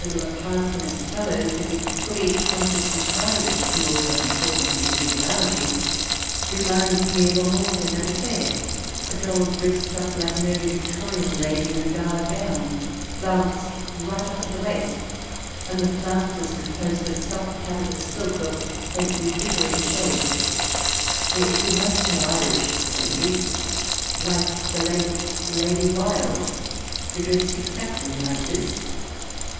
^xi little apart from its fellows, as if fully conscious and proud of its small but important individuality, reminds me of a mawkin at a fair, a doll dressed up like an Early Victorian lady in a gala gown, flounced right up to the waist, and the flounces composed of soft taffetas silk of faintly differing shades, or, if we must have Irish similes, like the late Lady Wilde, who dressed exactly like this.